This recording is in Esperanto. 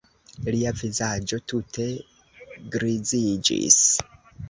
Lia vizaĝo tute griziĝis.